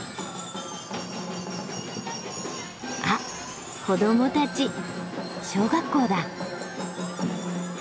・あっ子どもたち！小学校だ。